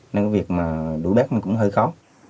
nên cái việc mà đuổi bác mình cũng hơi khó